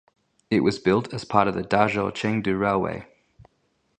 It was built as part of the Dazhou–Chengdu Railway.